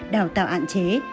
đào tạo ạn chế